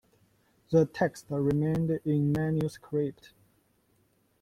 The text remained in manuscript.